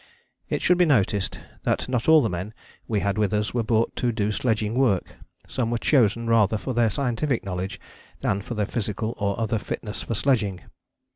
It should be noticed that not all the men we had with us were brought to do sledging work. Some were chosen rather for their scientific knowledge than for their physical or other fitness for sledging.